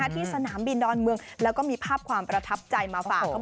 ที่สนามบินดอนเมืองแล้วก็มีภาพความประทับใจมาฝาก